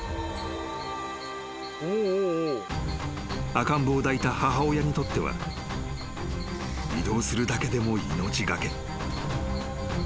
［赤ん坊を抱いた母親にとっては移動するだけでも命懸け］